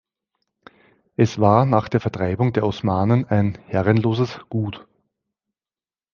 Es war nach Vertreibung der Osmanen ein „herrenloses Gut“.